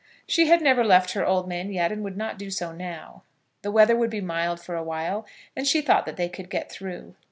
She had never left her old man yet, and would not do so now. The weather would be mild for awhile, and she thought that they could get through.